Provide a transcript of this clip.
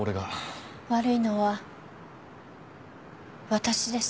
悪いのは私です。